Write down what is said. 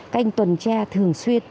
các anh tuần tra thường xuyên